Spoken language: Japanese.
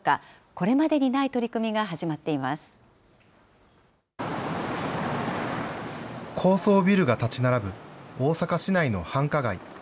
これまでにない取り組みが始まっ高層ビルが建ち並ぶ大阪市内の繁華街。